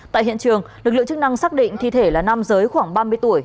tại hiện trường lực lượng chức năng xác định thi thể là nam giới khoảng ba mươi tuổi